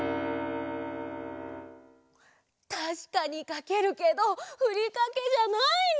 たしかにかけるけどふりかけじゃないの！